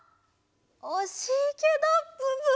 おしいけどブブ！